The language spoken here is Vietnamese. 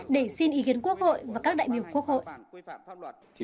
để xin ý kiến quốc hội và các đại biểu quốc hội